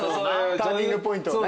ターニングポイントをね。